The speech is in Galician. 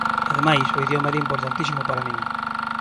Ademais, o idioma era importantísimo para min.